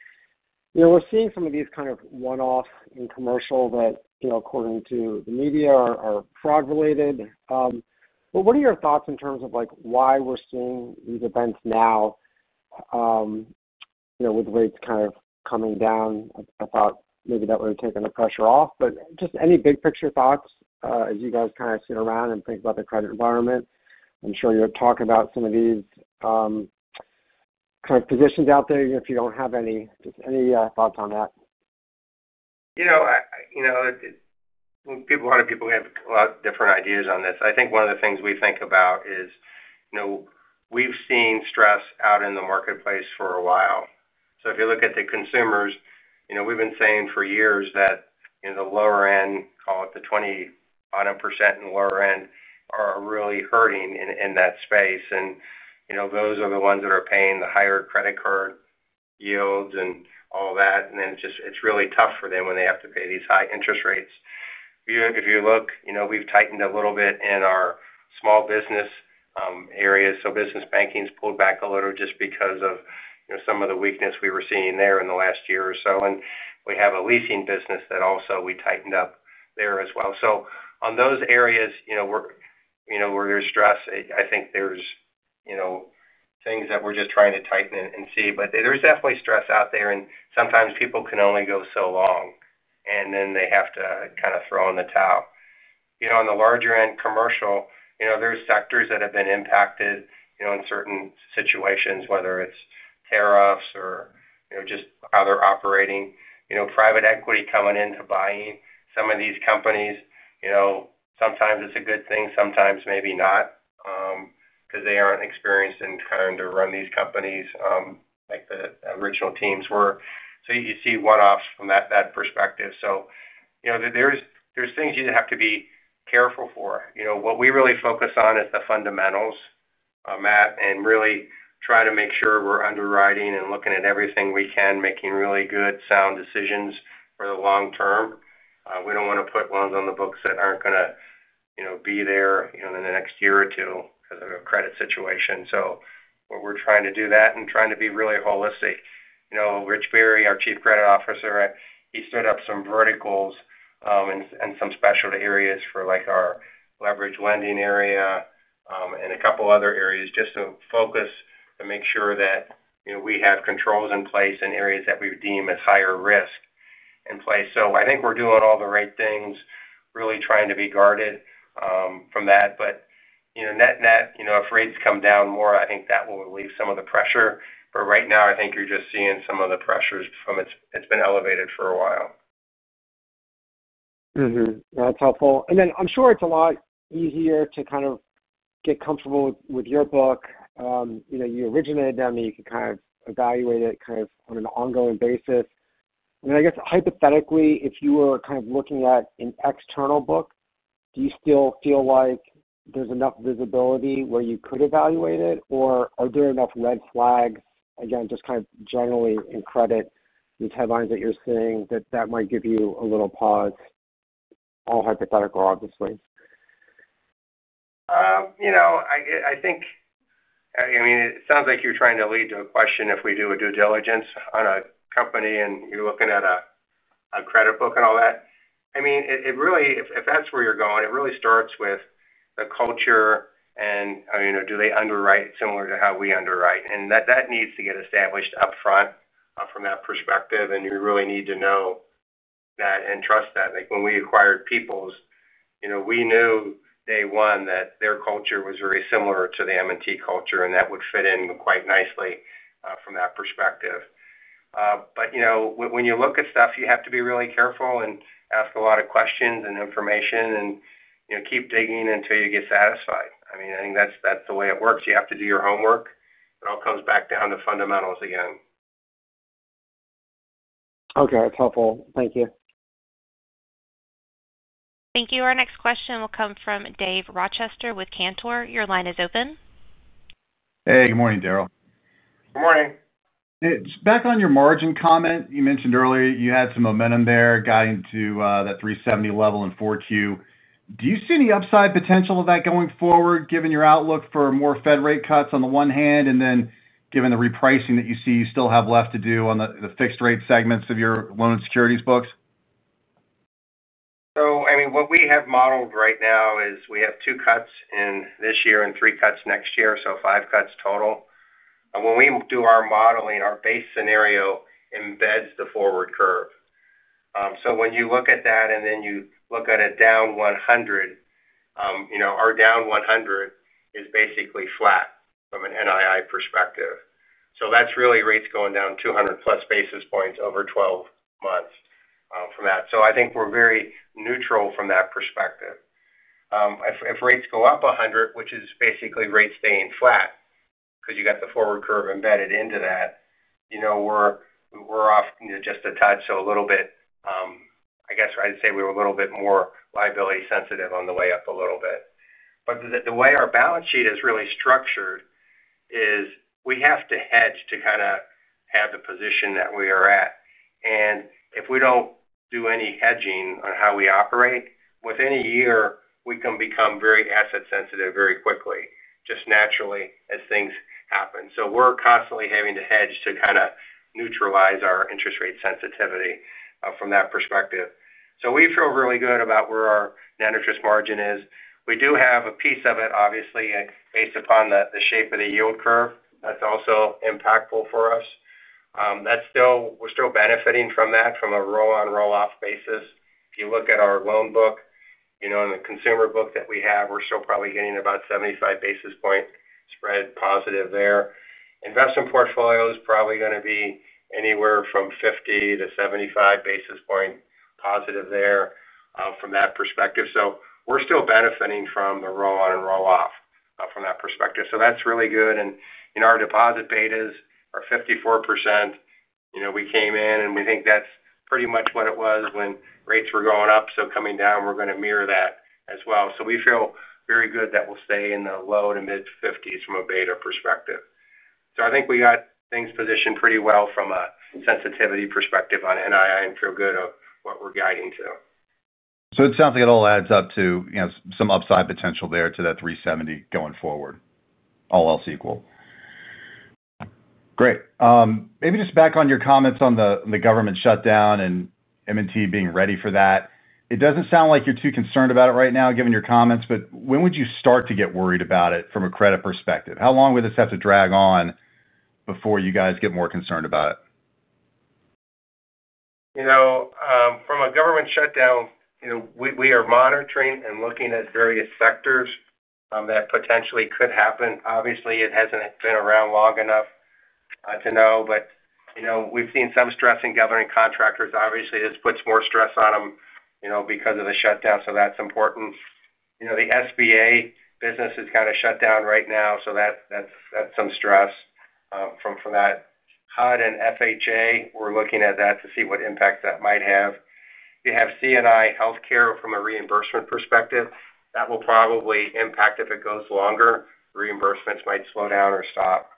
We're seeing some of these kind of one-off in commercial that, according to the media, are fraud-related. What are your thoughts in terms of why we're seeing these events now, with rates kind of coming down? I thought maybe that would have taken the pressure off. Just any big picture thoughts as you guys kind of sit around and think about the credit environment. I'm sure you'll talk about some of these kind of positions out there. If you don't have any, just any thoughts on that. A lot of people have a lot of different ideas on this. I think one of the things we think about is, we've seen stress out in the marketplace for a while. If you look at the consumers, we've been saying for years that the lower end, call it the 20% and lower end, are really hurting in that space. Those are the ones that are paying the higher credit card yields and all that. It's really tough for them when they have to pay these high interest rates. If you look, we've tightened a little bit in our small business areas. Business banking's pulled back a little just because of some of the weakness we were seeing there in the last year or so. We have a leasing business that also we tightened up there as well. In those areas where there's stress, I think there are things that we're just trying to tighten and see. There's definitely stress out there, and sometimes people can only go so long, and then they have to kind of throw in the towel. On the larger end commercial, there are sectors that have been impacted in certain situations, whether it's tariffs or just how they're operating. Private equity coming into buying some of these companies, sometimes it's a good thing, sometimes maybe not, because they aren't experienced in trying to run these companies like the original teams were. You see one-offs from that perspective. There are things you have to be careful for. What we really focus on is the fundamentals, Matt, and really try to make sure we're underwriting and looking at everything we can, making really good sound decisions for the long term. We don't want to put loans on the books that aren't going to be there in the next year or two because of a credit situation. We're trying to do that and trying to be really holistic. Rich Berry, our Chief Credit Officer, he stood up some verticals and some specialty areas for like our leverage lending area, and a couple other areas just to focus to make sure that we have controls in place in areas that we deem as higher risk in place. I think we're doing all the right things, really trying to be guarded from that. Net net, if rates come down more, I think that will relieve some of the pressure. Right now, I think you're just seeing some of the pressures from it's been elevated for a while. That's helpful. I'm sure it's a lot easier to kind of get comfortable with your book. You know, you originated them. You could kind of evaluate it on an ongoing basis. I guess hypothetically, if you were kind of looking at an external book, do you still feel like there's enough visibility where you could evaluate it, or are there enough red flags, just generally in credit, these headlines that you're seeing that might give you a little pause? All hypothetical, obviously. You know. I think it sounds like you're trying to lead to a question if we do a due diligence on a company and you're looking at a credit book and all that. It really, if that's where you're going, it really starts with the culture and, you know, do they underwrite similar to how we underwrite? That needs to get established upfront from that perspective. You really need to know that and trust that. Like when we acquired Peoples, we knew day one that their culture was very similar to the M&T culture, and that would fit in quite nicely from that perspective. When you look at stuff, you have to be really careful and ask a lot of questions and information and keep digging until you get satisfied. I think that's the way it works. You have to do your homework. It all comes back down to fundamentals again. Okay, that's helpful. Thank you. Thank you. Our next question will come from Dave Rochester with Cantor. Your line is open. Hey, good morning, Daryl. Good morning. It's back on your margin comment. You mentioned earlier you had some momentum there, guiding to that $370 level in 4Q. Do you see any upside potential of that going forward, given your outlook for more Federal Reserve rate cuts on the one hand, and then given the repricing that you see you still have left to do on the fixed rate segments of your loan and securities books? I mean, what we have modeled right now is we have two cuts in this year and three cuts next year, so five cuts total. When we do our modeling, our base scenario embeds the forward curve. When you look at that and then you look at a down 100, our down 100 is basically flat from an NII perspective. That is really rates going down 200+ basis points over 12 months from that. I think we're very neutral from that perspective. If rates go up 100, which is basically rates staying flat because you got the forward curve embedded into that, we're off just a touch, so a little bit. I guess I'd say we were a little bit more liability sensitive on the way up a little bit. The way our balance sheet is really structured is we have to hedge to kind of have the position that we are at. If we don't do any hedging on how we operate, within a year, we can become very asset sensitive very quickly, just naturally as things happen. We're constantly having to hedge to kind of neutralize our interest rate sensitivity from that perspective. We feel really good about where our net interest margin is. We do have a piece of it, obviously, based upon the shape of the yield curve. That's also impactful for us. We're still benefiting from that from a roll-on roll-off basis. If you look at our loan book, in the consumer book that we have, we're still probably getting about 75 basis point spread positive there. Investment portfolio is probably going to be anywhere from 50-75 basis point positive there from that perspective. We're still benefiting from the roll-on and roll-off from that perspective. That's really good. Our deposit betas are 54%. We came in and we think that's pretty much what it was when rates were going up. Coming down, we're going to mirror that as well. We feel very good that we'll stay in the low to mid-50s from a beta perspective. I think we got things positioned pretty well from a sensitivity perspective on NII and feel good of what we're guiding to. It sounds like it all adds up to, you know, some upside potential there to that $370 going forward, all else equal. Great. Maybe just back on your comments on the government and M&T being ready for that. It doesn't sound like you're too concerned about it right now given your comments, but when would you start to get worried about it from a credit perspective? How long would this have to drag on before you guys get more concerned about it? You know, from a government shutdown, we are monitoring and looking at various sectors that potentially could happen. Obviously, it hasn't been around long enough to know, but we've seen some stress in government contractors. Obviously, this puts more stress on them because of the shutdown. That's important. The SBA business is kind of shut down right now, so that's some stress from that. HUD and FHA, we're looking at that to see what impact that might have. You have [CNI] healthcare from a reimbursement perspective. That will probably impact if it goes longer. Reimbursements might slow down or stop.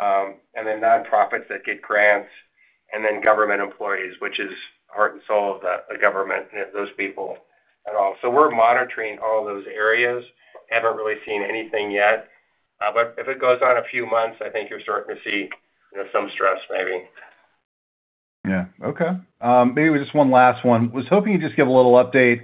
Nonprofits that get grants, and then government employees, which is the heart and soul of the government, those people and all. We're monitoring all those areas. Haven't really seen anything yet. If it goes on a few months, I think you're starting to see some stress maybe. Okay. Maybe just one last one. I was hoping you'd just give a little update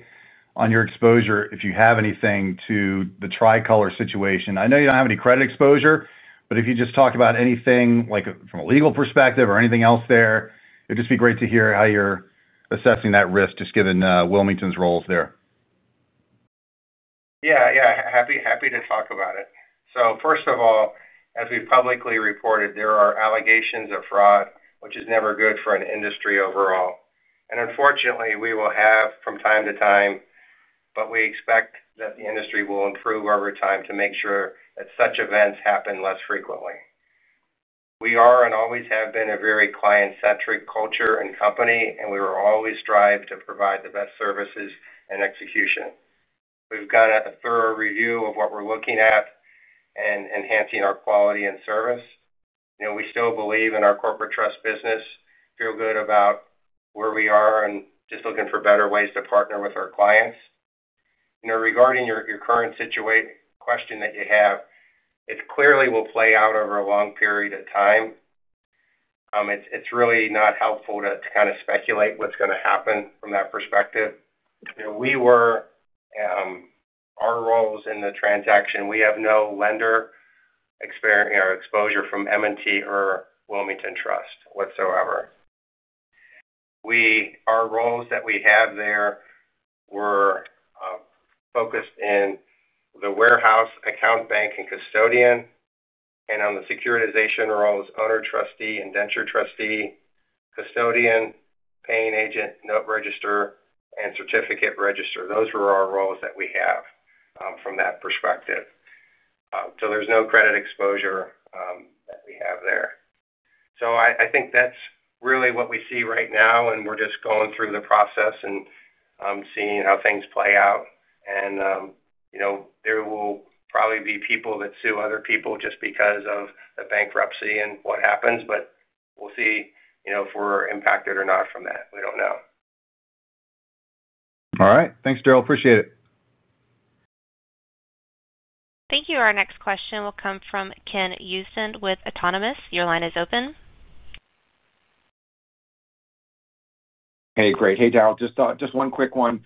on your exposure if you have anything to the Tricolor situation. I know you don't have any credit exposure, but if you just talk about anything like from a legal perspective or anything else there, it'd just be great to hear how you're assessing that risk just given Wilmington roles there. Yeah, happy to talk about it. First of all, as we've publicly reported, there are allegations of fraud, which is never good for an industry overall. Unfortunately, we will have that from time to time, but we expect that the industry will improve over time to make sure that such events happen less frequently. We are and always have been a very client-centric culture and company, and we will always strive to provide the best services and execution. We've got a thorough review of what we're looking at and enhancing our quality and service. We still believe in our corporate trust business, feel good about where we are, and are just looking for better ways to partner with our clients. Regarding your current situation question, it clearly will play out over a long period of time. It's really not helpful to speculate what's going to happen from that perspective. Our roles in the transaction, we have no lender experience or exposure from M&T or Wilmington Trust whatsoever. Our roles there were focused in the warehouse, account, bank, and custodian, and on the securitization roles, owner trustee and indenture trustee, custodian, paying agent, note register, and certificate register. Those were our roles from that perspective. There is no credit exposure that we have there. That is really what we see right now, and we're just going through the process and seeing how things play out. There will probably be people that sue other people just because of the bankruptcy and what happens, but we'll see if we're impacted or not from that. We don't know. All right. Thanks, Daryl. Appreciate it. Thank you. Our next question will come from Ken Usdin with Autonomous. Your line is open. Hey, great. Hey, Daryl. Just one quick one.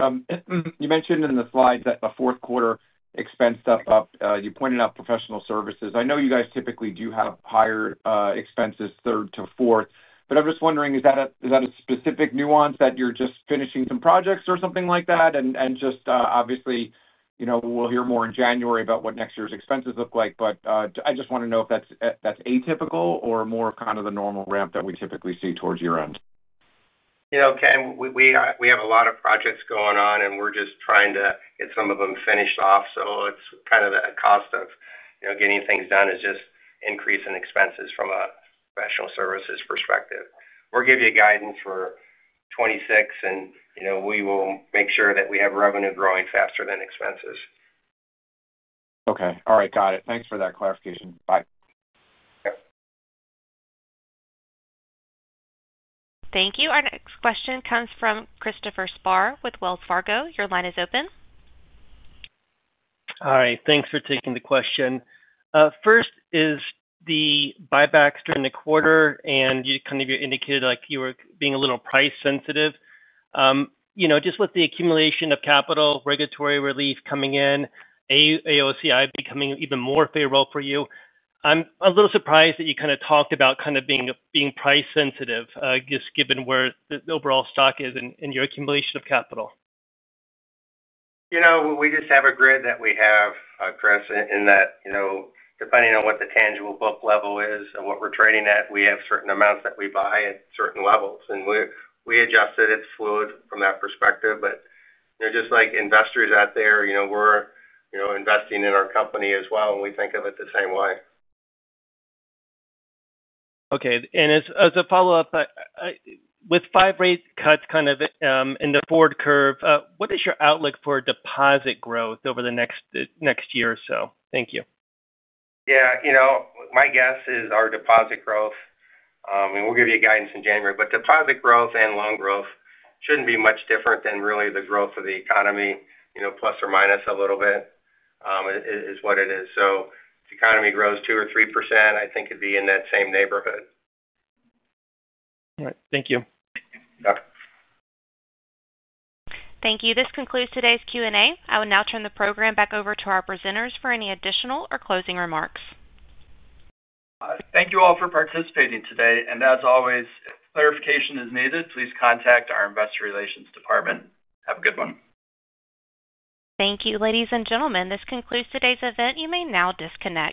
You mentioned in the slides that the fourth quarter expense stuff up. You pointed out professional services. I know you guys typically do have higher expenses third to fourth, but I'm just wondering, is that a specific nuance that you're just finishing some projects or something like that? Obviously, you know, we'll hear more in January about what next year's expenses look like, but I just want to know if that's atypical or more kind of the normal ramp that we typically see towards year end. Okay, we have a lot of projects going on, and we're just trying to get some of them finished off. It's kind of a cost of, you know, getting things done is just increase in expenses from a professional services perspective. We'll give you guidance for 2026, and you know, we will make sure that we have revenue growing faster than expenses. Okay. All right. Got it. Thanks for that clarification. Bye. Yep. Thank you. Our next question comes from Christopher Spahr with Wells Fargo. Your line is open. All right. Thanks for taking the question. First is the buybacks during the quarter, and you kind of indicated like you were being a little price sensitive. You know, just with the accumulation of capital, regulatory relief coming in, AOCI becoming even more favorable for you, I'm a little surprised that you kind of talked about kind of being price sensitive, just given where the overall stock is and your accumulation of capital. We just have a grid that we have, Chris, in that depending on what the tangible book level is and what we're trading at, we have certain amounts that we buy at certain levels. We adjusted it fluid from that perspective. Just like investors out there, we're investing in our company as well, and we think of it the same way. Okay. As a follow-up, with five rate cuts kind of in the forward curve, what is your outlook for deposit growth over the next year or so? Thank you. Yeah, you know, my guess is our deposit growth, and we'll give you guidance in January, but deposit growth and loan growth shouldn't be much different than really the growth of the economy, you know, plus or minus a little bit, is what it is. If the economy grows 2% or 3%, I think it'd be in that same neighborhood. All right, thank you. Yeah. Thank you. This concludes today's Q&A. I will now turn the program back over to our presenters for any additional or closing remarks. Thank you all for participating today. As always, if clarification is needed, please contact our Investor Relations department. Have a good one. Thank you, ladies and gentlemen. This concludes today's event. You may now disconnect.